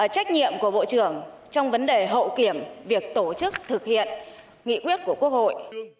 trách nhiệm của bộ trưởng trong vấn đề hậu kiểm việc tổ chức thực hiện nghị quyết của quốc hội